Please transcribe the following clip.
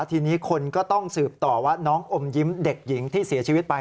ทีนี้คนก็ต้องสืบต่อว่าน้องอมยิ้มเด็กหญิงที่เสียชีวิตไป